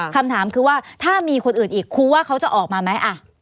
คำถามคือว่าถ้ามีคนอื่นอีกครูว่าเขาจะออกมาไหม